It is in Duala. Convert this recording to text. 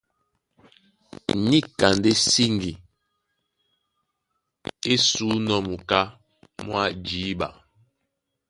Níka ndé síŋgi é sǔnɔ́ muká mwá jǐɓa.